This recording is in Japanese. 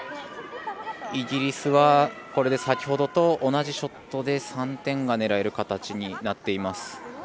イギリスは、これで先ほどと同じショットで３点が狙える形になっています。